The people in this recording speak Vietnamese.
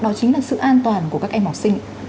đó chính là sự an toàn của các em học sinh